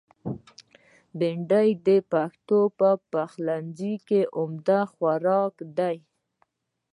بېنډۍ د پښتو پخلنځي یو عمده خوراک دی